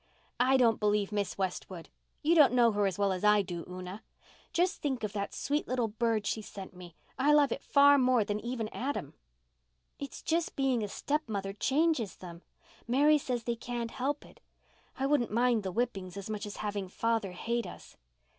"I don't believe Miss West would. You don't know her as well as I do, Una. Just think of that sweet little bird she sent me. I love it far more even than Adam." "It's just being a stepmother changes them. Mary says they can't help it. I wouldn't mind the whippings so much as having father hate us."